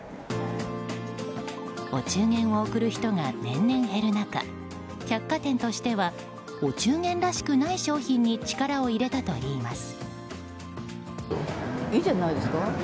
お中元を贈る人が年々減る中百貨店としてはお中元らしくない商品に力を入れたといいます。